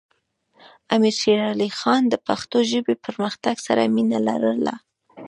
امیر شیر علی خان د پښتو ژبې پرمختګ سره مینه لرله.